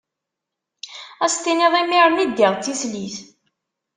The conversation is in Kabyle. Ad as-tiniḍ imiren i ddiɣ d tislit.